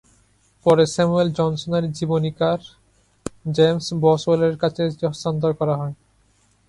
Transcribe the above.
পরে স্যামুয়েল জনসনের জীবনীকার জেমস বসওয়েলের কাছে এটি হস্তান্তর করা হয়।